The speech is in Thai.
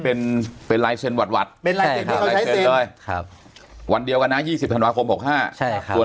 เป็นเป็นลายเซ็นต์หวัดวันเดียวกันนะ๒๐ธันวาคม๖๕ตัว